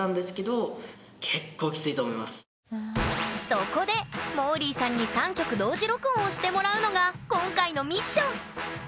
そこでもーりーさんに３曲同時録音をしてもらうのが今回のミッション。